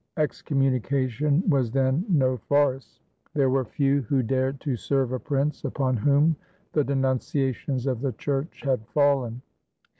Excommu nication was then no farce. There were few who dared to serve a prince upon whom the denunciations of the Church had fallen.